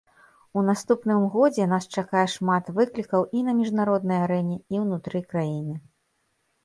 У наступным годзе нас чакае шмат выклікаў і на міжнароднай арэне, і ўнутры краіны.